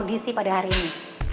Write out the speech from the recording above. mengikuti audisi pada hari ini